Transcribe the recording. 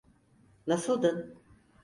Nasıldın?